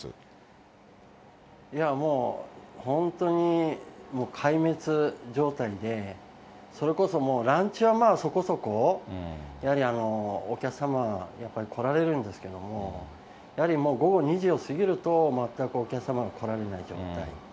いやもう、本当に壊滅状態で、それこそもうランチはそこそこ、やはりお客様やっぱり来られるんですけれども、やはり午後２時を過ぎると、全くお客様が来られない状態。